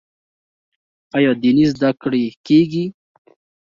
آیا دیني زده کړې کیږي؟